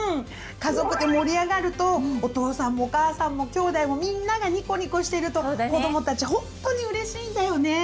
家族で盛り上がるとお父さんもお母さんもきょうだいもみんながニコニコしてると子どもたちほんとにうれしいんだよね！